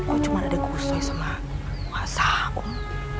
oh cuma ada kusoi sama puasa om